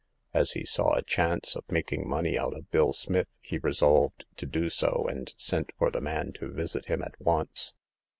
As he saw a chance of making money out of Bill Smith, he resolved to do so, and sent for the man to visit him at once.